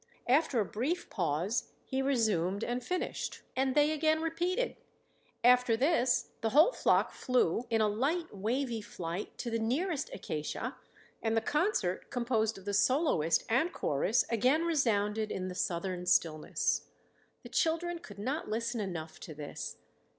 After a brief pause, he resumed and finished, and they again repeated; after this the whole flock flew in a light wavy flight to the nearest acacia and the concert, composed of the soloist and chorus, again resounded in the southern stillness. The children could not listen enough to this.